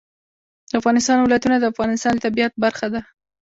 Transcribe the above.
د افغانستان ولايتونه د افغانستان د طبیعت برخه ده.